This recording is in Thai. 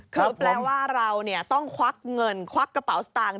คือแปลว่าเราต้องควักเงินควักกระเป๋าสตางค์